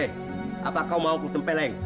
hei apa kau mau aku tempeleng